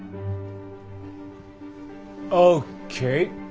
ＯＫ．